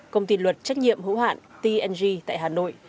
công ty luật trách nhiệm hữu hạn tng tại hà nội